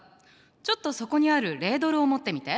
ちょっとそこにあるレードルを持ってみて。